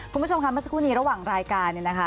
คุณผู้ชมค่ะเมื่อสักครู่นี้ระหว่างรายการเนี่ยนะคะ